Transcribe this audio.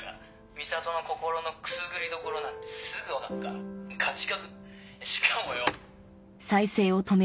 美里の心のくすぐりどころなんてすぐ分かっから勝ち確しかもよ。